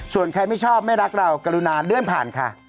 ส่วนใครไม่ชอบไม่รักเรากรุณาเดินผ่านค่ะ